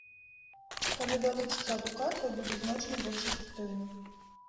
Калі далучыцца адукацыя, будзе значна больш эфектыўна.